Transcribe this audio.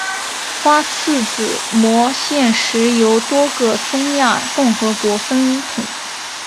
花剌子模现时由多个中亚共和国分统。